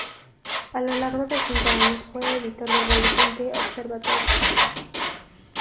A lo largo de cinco años fue editor del boletín ""The Observatory"".